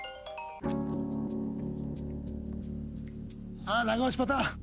あっ長押しパターン！